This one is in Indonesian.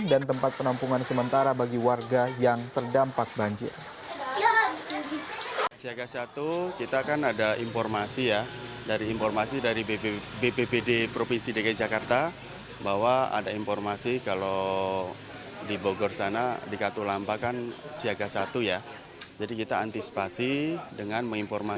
dan tempat penampungan sementara bagi warga yang terdampak banjir